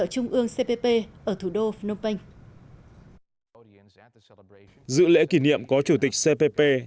trung ương cpp ở thủ đô phnom penh dự lễ kỷ niệm có chủ tịch cpp